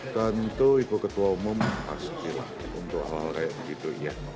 tentu ibu ketua umum pastilah untuk hal hal kayak begitu